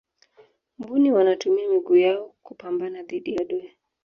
mbuni wanatumia miguu yao kupambana dhidi ya adui